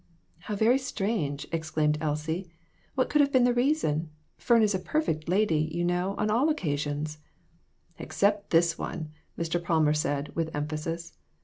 " How very strange !" exclaimed Elsie. " What could have been the reason ? Fern is a perfect lady, you know, on all occasions." "Except this one," Mr. Palmer said, with emphasis.